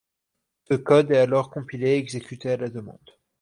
Ce code est alors compilé et exécuté à la demande.